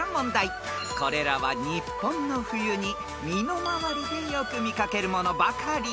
［これらは日本の冬に身の回りでよく見掛けるものばかり］